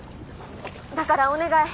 だからお願い。